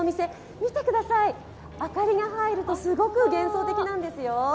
見てください、明かりが入るとすごく幻想的なんですよ。